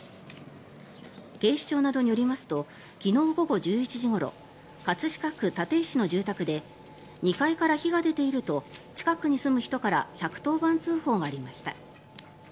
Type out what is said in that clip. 警視庁などによりますと昨日午後１１時ごろ葛飾区立石の住宅で２階から火が出ていると近くに住む人から１１０番通報がありました。